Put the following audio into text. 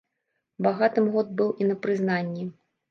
Багатым год быў і на прызнанні.